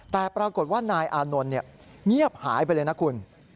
แต่ปรากฏว่านายอานนท์เงียบหายไปเลยนะคุณ